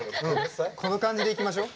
この感じでいきましょう。